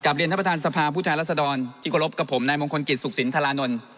กลับเรียนท่านประธานสภาพุทธรรษฎรที่ขอรบกับผมนายมงคลกิจสุขศิลป์ธารานนท์